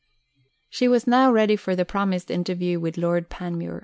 She was now ready for the promised interview with Lord Panmure.